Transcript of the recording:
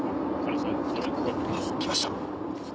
きました？